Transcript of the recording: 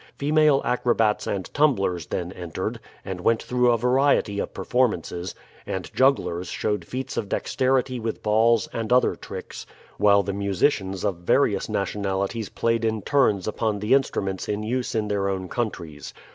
Female acrobats and tumblers then entered, and went through a variety of performances, and jugglers showed feats of dexterity with balls, and other tricks, while the musicians of various nationalities played in turns upon the instruments in use in their own countries.